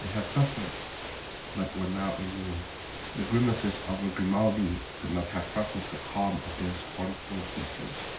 They had suffered, but were now immune. The grimaces of a Grimaldi could not have ruffled the calm of their scornful features.